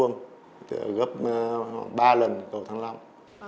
gấp ba lần cầu thăng long